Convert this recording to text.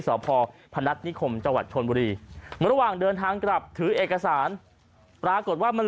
สพพนัฐนิคมจังหวัดชนบุรีระหว่างเดินทางกลับถือเอกสารปรากฏว่ามัน